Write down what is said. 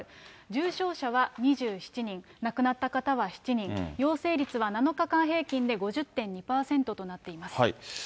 重症者は２７人、亡くなった方は７人、陽性率は７日間平均で５０．２％となっています。